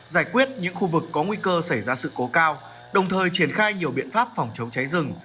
giải quyết những khu vực có nguy cơ xảy ra sự cố cao đồng thời triển khai nhiều biện pháp phòng chống cháy rừng